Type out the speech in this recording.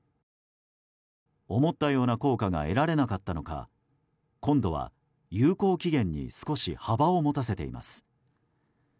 思ったような効果が得られなかったのか今度は有効期限に少し幅を持たせています。